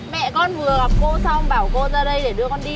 mẹ con vừa gặp cô xong bảo cô ra đây để đưa con đi